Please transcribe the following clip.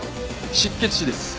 失血死です。